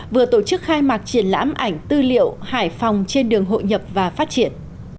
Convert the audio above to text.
vừa tổ chức khai mạc triển lãm ảnh tư liệu hải phòng trên đường hội nhập và phát triển